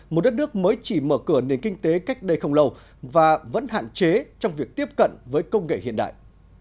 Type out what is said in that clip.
một đất nước mới chỉ mở cửa nền kinh tế cách đây không lâu và vẫn hạn chế trong việc tiếp cận với công nghệ hiện đại